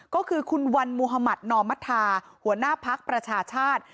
ก็คือคุณวันมุธมัธนอมธาหัวหน้าภักดิ์ประชาชาติ